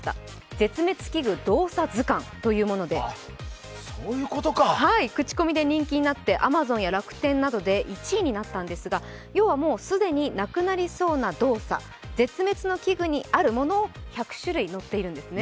「絶滅危惧動作図鑑」というものでクチコミで人気になって、アマゾンや楽天などで１位になったんですが、要はもう既になくなりそうな動作絶滅の危惧にあるものが１００種類載っているんですね。